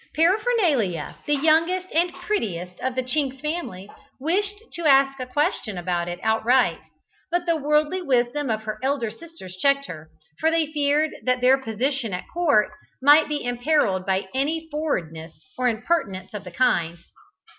Paraphernalia, the youngest and prettiest of the Chinks family, wished to ask a question about it outright, but the worldly wisdom of her elder sisters checked her, for they feared that their position at court might be imperilled by any forwardness or impertinence of the kind.